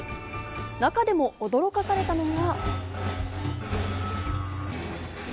中でも驚かされたのが。